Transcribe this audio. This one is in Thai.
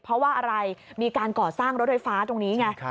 เพราะว่าอะไรมีการก่อสร้างรถไฟฟ้าตรงนี้ไง